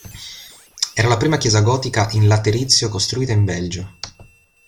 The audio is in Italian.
Era la prima chiesa gotica in laterizio costruita in Belgio.